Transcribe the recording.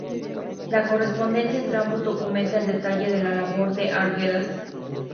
La correspondencia entre ambos documenta al detalle la labor de Arguedas.